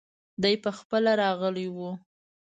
دی پخپله راغلی وو.